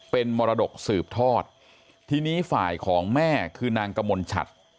เป็นมรดกสืบทอดทีนี้ฝ่ายของแม่คือนางกมลชัด